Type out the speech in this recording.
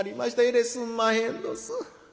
えらいすんまへんどす」。